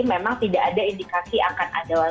memang tidak ada indikasi akan ada w tiga ya